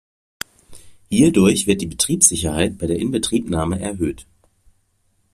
Hierdurch wird die Betriebssicherheit bei der Inbetriebnahme erhöht.